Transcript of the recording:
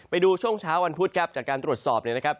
ไปดูช่วงเช้าวันพุธครับจากการตรวจสอบเนี่ยนะครับ